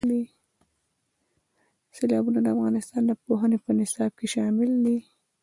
سیلابونه د افغانستان د پوهنې په نصاب کې شامل دي.